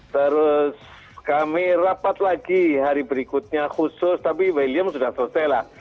terus kami rapat lagi hari berikutnya khusus tapi william sudah selesai lah